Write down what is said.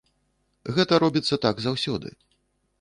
Гэта робіцца так заўсёды.